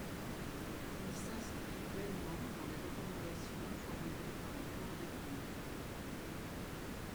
Il s’inscrit pleinement dans les recommandations formulées par la Cour des comptes.